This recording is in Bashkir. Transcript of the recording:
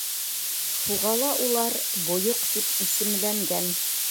Шуға ла улар «бойоҡ» тип исемләнгән.